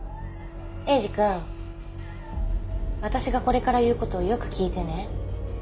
エイジ君私がこれから言うことをよく聞いてね。